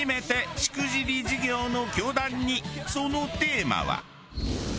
そのテーマは。